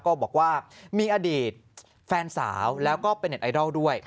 ก็บอกว่ามีอดีตแฟนสาวแล้วก็เป็นเน็ตไอดอลด้วย